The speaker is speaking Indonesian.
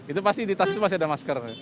itu pasti di tas itu pasti ada masker